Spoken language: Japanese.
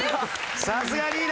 さすがリーダー。